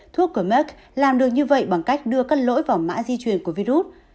thuốc của mark làm được như vậy bằng cách đưa các lỗi vào mã di truyền của virus